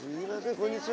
こんにちは。